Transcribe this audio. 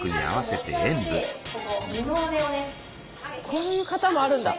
こういう形もあるんだ。